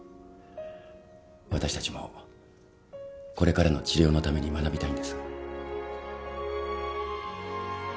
私たちもこれからの治療のために学びたいんです。